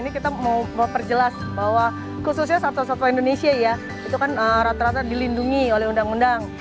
ini kita mau perjelas bahwa khususnya satwa satwa indonesia ya itu kan rata rata dilindungi oleh undang undang